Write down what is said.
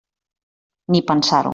Ni pensar-ho.